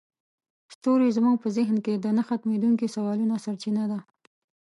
ستوري زموږ په ذهن کې د نه ختمیدونکي سوالونو سرچینه ده.